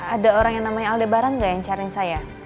ada orang yang namanya aldebaran nggak yang cariin saya